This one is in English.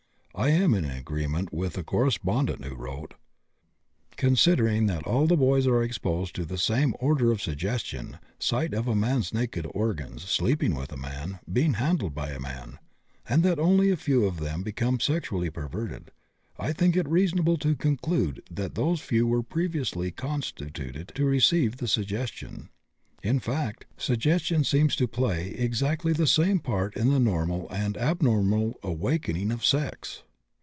I am in agreement with a correspondent who wrote: "Considering that all boys are exposed to the same order of suggestions (sight of a man's naked organs, sleeping with a man, being handled by a man), and that only a few of them become sexually perverted, I think it reasonable to conclude that those few were previously constituted to receive the suggestion. In fact, suggestion seems to play exactly the same part in the normal and abnormal awakening of sex."